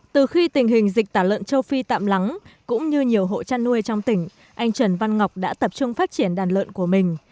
từ khi tình hình dịch tả lợn châu phi tạm lắng cũng như nhiều hộ chăn nuôi trong tỉnh anh trần văn ngọc đã tập trung phát triển đàn lợn của mình